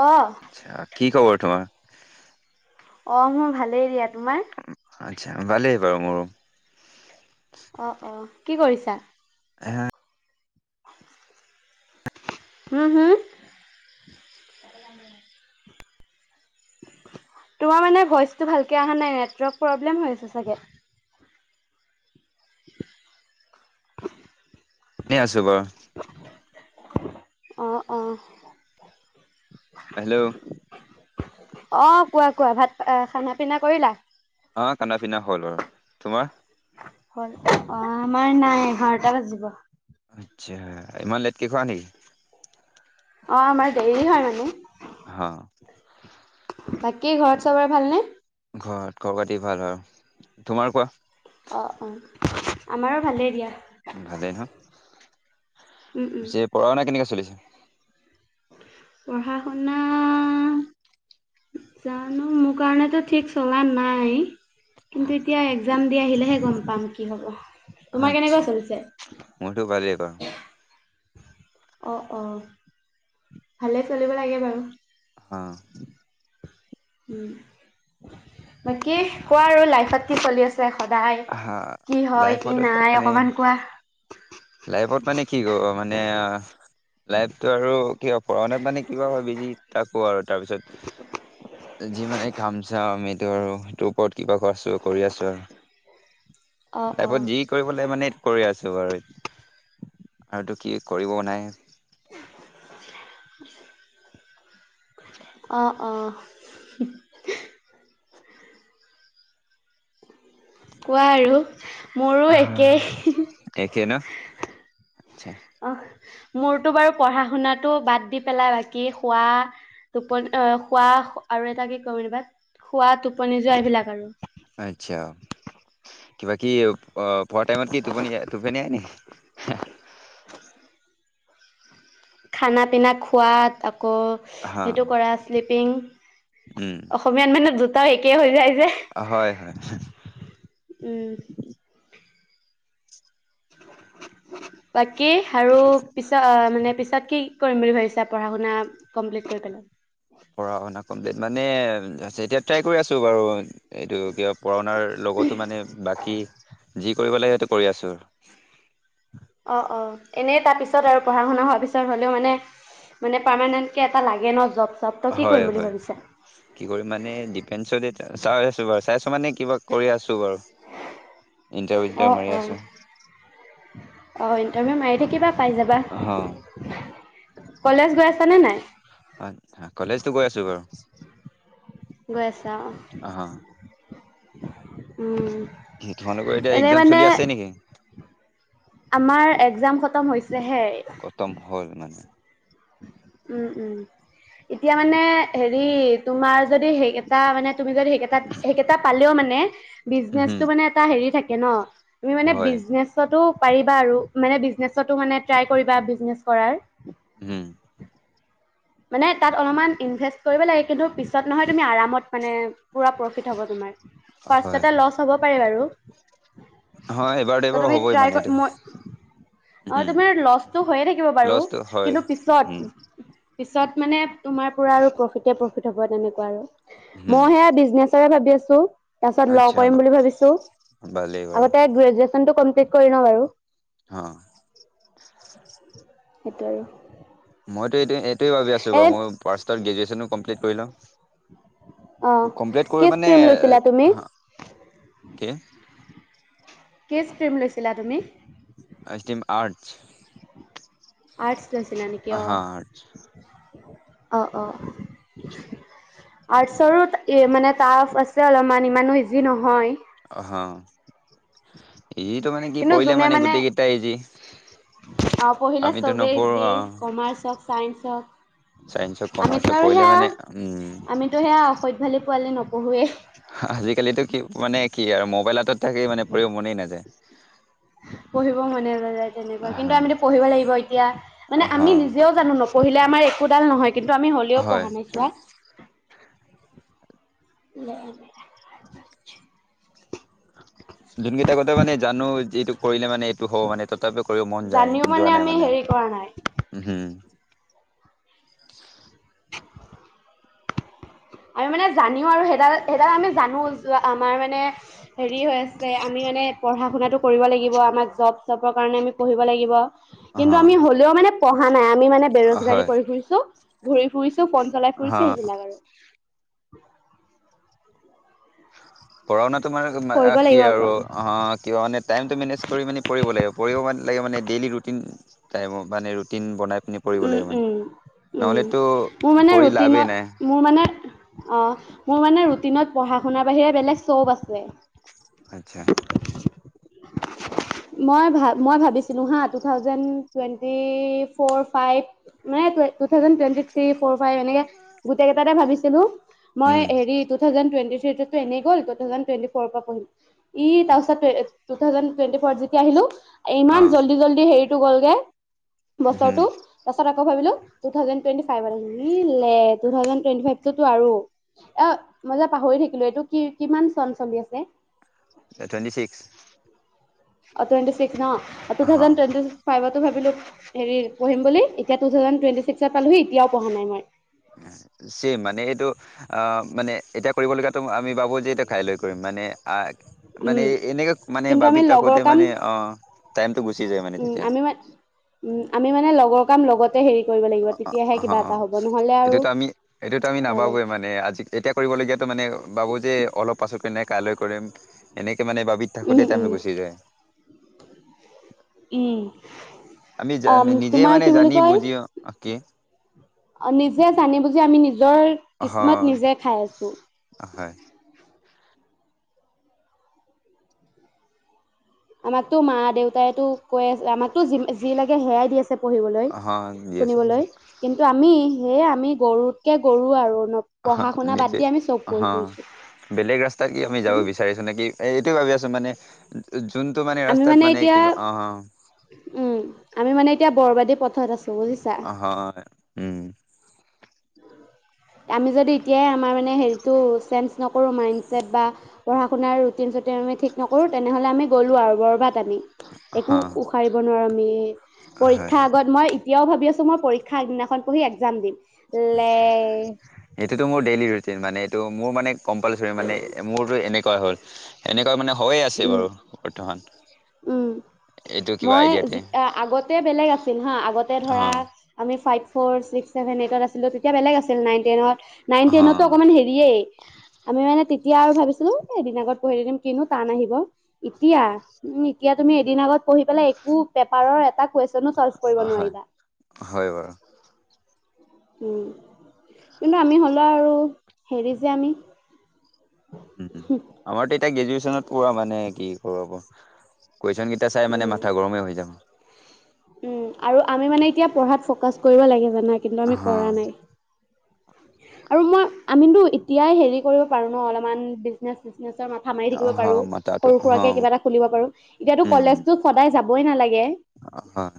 অ', আতচ্ছা কি খবৰ তোমাৰ অ মোৰ ভালেই দিয়া তোমাৰ আচ্ছা ভালেই বাৰু মোৰ অ অ কি কৰিছা এ হুম হুম তোমাৰ মানে ভইচটো ভালকে অহা নাই নেটৱৰ্ক প্ৰব্লেম হৈ আছে চাগে [unintelligible] [unintelligible] দুবাৰ অঁ অঁ হেল্ল' অ কোৱা কোৱা ভাত খানা পিনা কৰিলা অ কান্দা পি্না হ'ল আৰু তোমাৰ হয় অ আমাৰ নাই এঘাৰটা বাজিব আচ্ছা ইমান লেটকে খোৱা নেকি অ আমাৰ দেৰি হয় মানে অ বাকী ঘৰত চবৰে ভালনে ঘৰত ঘৰ পাতি ভাল আৰু তোমাৰ কোৱা অঁ অঁ আমাৰো ভালেই দিয়া ভালেই নহয় উম, উম। যে পঢ়া শুনা কেনেকুৱা চলিছে [unintelligible] পঢ়া শুনা জানো মোৰ কাৰণেত ঠিক চলা নাই কিন্তু এতিয়া এক্জাম দি আহিলেহে গম পাম কি হ'ব তোমাৰ আচ্ছা কেনেকুৱা চলিছে মোৰতো ভালেই বাৰু অ অ ভালে চলিব লাগে বাৰু অ উম বাকী কোৱা আৰু লাইফত কি চলি আছে সদায়? হা কি হয় কি লাইফত এ নাই মানে অকমান কোৱা? লাইফত মানে কি কব মানে লাইফতটো আৰু কি পঢ়া শুনাত মানে কিবা হয় বেজি তাকো আৰু তাৰপিছত যিমানে কাম চাওঁ আমিতটো আৰু সেইটোৰ ওপৰত কিবা ক আছো কৰি আছো আৰু অ', অ', তাইপত যি কৰিবলৈাগ মানেটো কৰি আছে আৰুতো কি কৰিবও নাই অঁ অঁ কোৱা আৰু মোৰো হ একেই। একে ন আা অহ, মোৰতো বাৰু পঢ়া শুনাতো বাদ দি পেলাই বাকী খোৱা টোপনি খোৱা আৰু এটা কি কমিব শোৱা টোপনি যোৱা এইবিলাক আৰু আচ্ছা কি বাকি অ ফোৱাটাইমত কি তুপ তুপনি আ ন খানা পিনা খোৱাত ক হা সেইটো কৰা শ্লিপিং উম অসমীয়াত মানে একে হৈ যায় যে হয় হয় উম তাক কি আৰু পিছত মানে পিছত কি কৰি বুলি ভাবা পঢ়া শুম্লেল পঢ় কমপ্লিট মানে এতিয়া ট্ৰাই কৰি আছো বাৰু এইটো কিবা পুৰণাৰ লগতো মানে বাকী যি কৰিব লাগে সেইটো কৰি আছো আৰু অ অ এনেই তাৰ পিছত আৰু পঢ়া শুনা হোৱাৰ পিছত হ'লেও মানে মানে পাৰমানেন্ট কেে এটা লাগে ন জব চব ত কি হয় কৰিম বুলি হয় ভাবিছা কি কৰি মানে ডিপেন্ঞ্চ চাই আছো বাৰু চাইছো মানে কিবা কৰি আছোঁ বাৰু ইটাৰ অ ইন্টাৰ মি অ আছো অ ইণ্টাৰভিউ মাৰি থাকিবা পাইজাবা অ কলেজ গৈ আছ নে নাই হয় কলেজটো গৈ আছো বাৰু গৈ আছা অ উম তোমালোকৰ এতিয়া এনেই এক্জাম মানে চলি আছে নেকি আমাৰ এক্জাম খতম হৈছেড়্যণণণণ্ড্ৰ খতম হ'ল মানে সহে উম উম এতিয়া মানে হেৰি তোমাৰ যদি সেই এটা মানে তুমি যদি সেইকেইটাত সেইকেইটা পালেও মানে উম বিজনেচটো মানে এটা [unintelligible] তুমি মানে হয় বিজনেছতো। পাৰিবা আৰু মানে বিজনেছতো মানে ট্ৰাই কৰিবা বিজনেছ কৰাৰ। হম। মানে তাত অলপমান ইনভেষ্ট কৰিব লাগে কিন্তু পিছত নহয় তুমি আৰামত মানে পুৰা প্ৰফিট হ'ব তোমাৰ। হয় ফাৰ্চতে লছ হ'ব পাৰে বাৰু। হয় এইবাৰতো ত এইবাৰ তুমি হ'বই মানে এইটো ট্ৰাই মই অ' উম তুমাৰ লছটো হৈয়ে থাকিব বাৰু লছটো হয় কিন্তু উম পিছত। পিছত মানে তোমাৰ পুৰা আৰু প্ৰফিতে প্ৰফিট হ'ব তেনেকুৱা আৰু। উম মই সেয়া বিজনেচ। [unintelligible] ভাবি আছো। তাৰপিছত ল আচ্ছা কৰিম বুলি ভাবিছো ভালেই বাৰু আগতে গ্ৰেজুৱ কমপ্লিট কৰি ল বাৰু। অ'। সেইটো আৰু। মইতো এইটো সেই ভাব আছো এ বাৰ মই পাৰ গ্ৰেজেনো কমপ্লিট কৰি ল। অ কমপ্লিট কি কৰি মানে ষ্ট্ৰীম লৈছিলা তুমি? কি? কি ক্ৰীম লৈছিলা তুমি? আৰ্তচ। আৰ্তচ। লৈচিলা নেকি অ'। অ', অ' আৰ্টছৰো মানে টাফ আছে অলপমান ইমানো ইজি নহয়। হা। ইটো মানে কি কিন্তু পঢ়িলে যোনে মানে গোটেই কেইটা ইজি আহ পঢ়িলে আমিতো চবেই নপঢ়ো যি অ কমাৰ্চ হওক চাইন্ঞ্চ হওক চাইন্সক আমিতো কমাৰ্চক আৰু পঢ়িলে সেয়া মানে উম আমিতো সেয়া অসধ ভালি। পোৱালে নপঢ়োৱে। আজিকালিতো কি মানে কি আৰু মোবাইলত থাকেই মানে পঢ়িব মনেই নাযায়। পঢ়িব মনে না যায় তেনেকুৱা কিন্তু আমিত পঢ়িব লাগিব এতিয়া মানে হা আমি নিজেও জানো ন। পঢ়িলে আমাৰ একোডাল নহয়। কিন্তু আমি হলেও হয় পঢ়া নাইছোৱা। [unintelligible] যোন কেইটাগতে মানে জানো এইটো কৰিলে মানে এইটো হব মানে তথাপি কৰিব মন যায় জানিও যোৱা নাই আমি মানে হেৰি কৰা নাই উ হম। আমি মানে জানিও আৰু সেইডাল সেইডাল আমি জানো আমাৰ মানে হেৰি হৈ আছে আমি মানে পঢ়া শুনাটো কৰিব লাগিব আমাক জব চবৰ কাৰণে আমি পঢ়িব লাগিব। অ কিন্তু আমি হ'লেও মানে। প নাই আমি মানে হয় বেৰোজগাৰী কৰি ফুৰিছো ঘূৰি ফুৰিছে পন জ্বলাই হ ফুৰিছে সেইবিলাক আৰু [inaudible] পঢ়া শুনাাতটো মানে কৰিব কি লাগিব আৰু আকৌ অ কিবা মানে টাইমটো মেনেজ কৰি মানি পৰিব লাগিব পৰিব মানে ান উম উম উম মোৰ মানে পঢ়ি লাভেই নাই ৰুটিনত মোৰ মানে অ মোৰ মানে ৰুটিনত পঢ়া শুনাৰ বাহিৰে বেলেগ চব আছে আচ্ছা মই ভ মই ভাবিছিলোঁ হা two thousand twenty four five মানে থ ফ ফাইভ এনে গেইেই ভাব হেল্ল' মই উম এই ট ফ'ৰ পঢ়ম এই তউচাপ ু থ টেি আহিলো অ ইমান জল্দি জল্দি হেৰি টো গ'লগে বছৰটো তাৰছত ভাবো ট থউে ট থউে টট ফাইভতো আৰু অ মই যে পাহৰি থাকিলো এইটো কি কিমান চন চলি আছে টুৱেণ্টি ছিক্স অ টেণ্িিক্ টু অ থাউজ ট ফাইভ ভাবিলো হেৰি পঢিম বুলি এতিয়া থে ট্ত পালোহি এতিয়াও প়া নাই মই চম মানে এইটো অ মানে এতিয়া কৰিবলগীয়াাতো তুমি বাবো যে এইটো খাই লৈ কৰিম মানে অ মানে উম এনেকে মানে কিন্তু আমি বাবিত লগৰ থাকোতে কাম মানে অ াইম গ উম আমি মান উম আমি মানে লগৰ কাম লগত অ অ অ নহ'লে আৰু এইটোতো আমি এইটোতো আমি যাব নাবোয়ে মানে আজি এতিয়া কৰিবলগীয়াাতো মানে বাবো যে অলপ পাছতকে নেক্স কালৈ কৰিম এনেকে মানে বাবিত উম থাকোতে তাই উম গুচি যায় উম আমি জা অ নিজে তোমাৰ মানে কি বুলি জানি কয় বুজি অ কি নিজে জানি বুজি আমি নিজৰ কিসমত হয় নিজে খাই আছো হয় আমাকতো মা দেউতাইো কৈ আছে আমাকোি যি লাগে সেয়াই দি আছে পঢ়িবলৈ অ দি আছো শুনিবলৈ বাৰু কিন্তু আমি সেয়ে আমি গৰুতকে গৰু আৰু অ পঢ়া শুনা বাদ নিজ দি আমি চব কৰি অ ফুৰিছো। বেলেগ ৰাস্তাত কি আমি যাব বিচাৰিছো নেকি এই ভাবি আছো মানে উ আমি মানে এতিয়া উম আমি মানে এতিয়া বৰবাদী পথত আছে হয় উম আমি যদি এতিয়াই আমাৰ মানে হেৰিটো চেঞ্জ নকৰোঁ মাইণ্ড চছেট বা পঢ়া শুনাৰ ৰুটিন চুটিন আমি ঠিক নকৰোঁ তেনেহ'লে আমি গ'লোঁ আৰু বৰবাত ানি হ একো উশাৰিব নোৱাৰো আমি হয় পৰীক্ষা আগত মই তেতিয়া ভি আছোঁ মই পৰীক্ষা আগদিনাখন পঢ়ি এক্সাম দিম লে সেইটোতো মোৰ ডেইেলি ৰুটিন মানে ত মোৰ মানে কম্পালচৰিী মানে মোৰতো এনেকুৱা হ'ল এনেকুৱা মানে হৈয়ে আছে উ বাৰু বৰ্তমান উম এইটো কিবা মই আইডিয়াতে আগতে বেলেগ আছিল হা আগতে অ ধৰা আমি ফাই ফ' ছিক্ েভেন এইটতছিলো তেতিয়া বেলেগ আছিল নাইন টেনত নাইন অ টেনতো অকমান হেৰিয়ে আমি মানে এতিয়া আৰু ভাবিো এেইদ আগত পঢ়ি থ দিম কিনো এতিয়া এতিয়া ত এ আগত পঢি প একোপ এ কুৱেশন চল্ভ কৰিব হয় নোৱাৰিবা হয় বাৰু উম কিন্তু আমি হলেও আৰু হেৰি যে আমি উম আমাৰ এয়া গ্ৰেজুৱেশ্যনত পোৱা মানে কি কৰো কুৱেশ্যনকেইটা চাই মানে উম মাথা গৰমেই হৈ যাব উম আৰু আমি মানে এতিয়া পঢ়াত ফকাচ কৰিব লাগিব জানা কিন্তু অ আমি কৰা নাই আৰু মই আমিতো এতিয়াই হেৰি কৰিব পাৰো ন অলপমান বিজনেচ মচ নাচৰ মাথা মাৰি থাকিব অ পাৰো মাথাটো সৰু অ সুৰাককে কিবা এটা খুলিব পাৰো এতিয়াাতো উম কলেজতো সদায় যাব বই নালাগে ে অ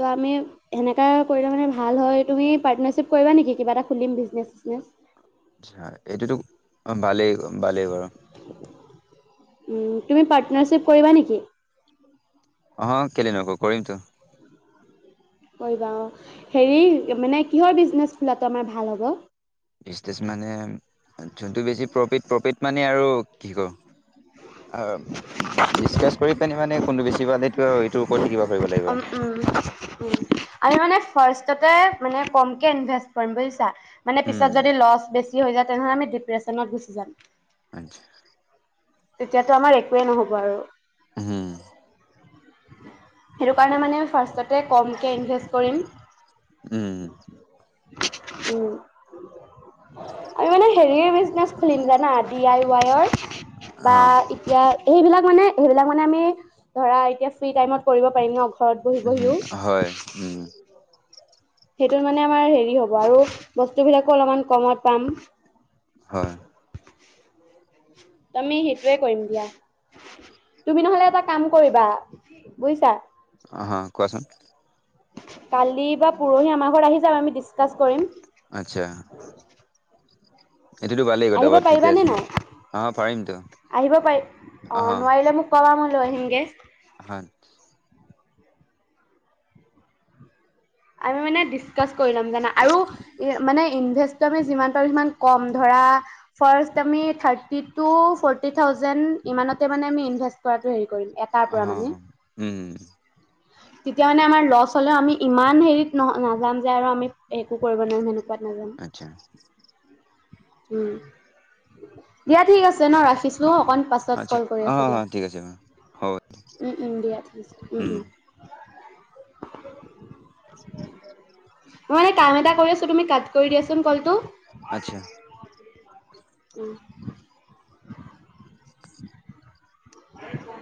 ত' আমি সেনেকা কৰিলে মানে ভাল হয় তুমি পাৰ্টনাৰশ্বিপ কৰিবা নেকি কিবা এটা খুলিম বিজনেচ চনেছ া এইটোতো ভালেই ভালেই বাৰ [unintelligible] [inaudible] উ তুমি পাৰ্টনাৰশ্বিপ কৰিবা নেকি? অ কেলে নকো কৰিম তো [unintelligible] কৰিবা অ হেৰি মানে কিহৰ বিজনেচ খোলাতটো আমাৰ ভাল হ'ব? [unintelligible] বিছনেছ মানে জোনটো বেছি প্ৰফিট প্ৰফিট মানে [unintelligible] আৰু কি ক [unintelligible] অ ডিচকাচ কৰি পি মানে কোনটো বেছি পালেটো [unintelligible] [inaudible] আৰু মানে [unintelligible] ফাৰ্ষ্টতে মানে কমকৈ ইনভেষ্ট কৰিম বুজিছা [unintelligible] মানে পিছত উম যদি লছ বেছি [unintelligible] হৈ যায় তেনেহলে আমি ডিপ্ৰেচনত গুচি যাম [unintelligible] আ [inaudible] তেতিয়াতো আমাৰ একোৱেই নহব আৰু হম [inaudible] সেইটো কাৰণে মানে ফাৰ্ষ্টতে কমকে ইনভেষ্ট কৰিম উম [inaudible] উ আমি মানে হেৰি বিজনেচ খুলিম জানা ডি আই ৱাইৰ অ বা এতিয়া সেইবিলাক মানে সেইবিলাক মানে আমি ধৰা এতিয়া ফ্ৰী টাইমত কৰিব পাৰিম ন ঘৰত বহি উম বহিও হয় উম সেইটোত মানে আমাৰ হেৰি হ'ব আৰু বস্তুবিলাকো অলপমান কমত পাম হয় তমি সেইটোয়ে কৰিম দিয়া তুমি নহলে এটা কাম কৰিবা বুজিছা অ হ কোৱাচোন কালি বা পৰহি আমাৰ ঘৰত আহি যাম আমি ডিচকাচ কৰিম আচ্ছা [inaudible] এইটোতো ভালেই কথা আহিব বাৰু ঠিকে পাৰিবানে আছে নাই অ পাৰিমতো আহিব পাৰি অ নোৱাৰিলে মোক ক ম ৰহিগে [unintelligible] [inaudible] হয় [inaudible] আমি ম জ আৰুানে যি পাৰোাে ই [unintelligible] অ উম [inaudible] তেতিয়া মানে আমাৰ লছ হলেও আমি ইমান হেৰিত ন নাযাম যে আৰু আমি একো কৰিব নোৱাৰিম সেনেকুৱা আচ্ছা উম দিয়া ঠিক আছে ন ৰাখিছোঁ অকণ পাছত আচ্ছা কল কৰি অ আছোঁ অ, দিয়া ঠিক আছে বাৰু হ'ব দিয়ািক উম মই এানে কাম এটা কৰি আছো তুমি কাট কৰি দিয়াচোন কলটো আচ্ছা উম [inaudible] উ